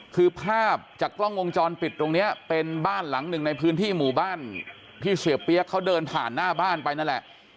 คือภาพจากกล้องวงจรปิดตรงนี้เป็นบ้านหลังหนึ่งในพื้นที่หมู่บ้านที่เสียเปี๊ยกเขาเดินผ่านหน้าบ้านไปนั่นแหละ